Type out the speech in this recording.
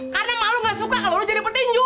karena emak lu gak suka kalo lu jadi petinju